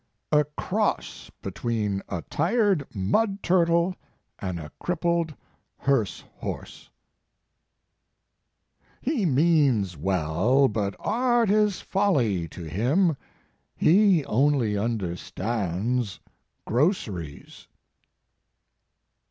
208 Mark Twain "A cross between a tired mud turtle and a crippled hearse horse." "He means well, but art is folly to him; he only understands groceries."